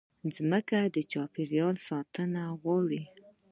مځکه د چاپېریال ساتنه غواړي.